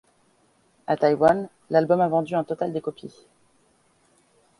À Taïwan, l'album a vendu un total de copies.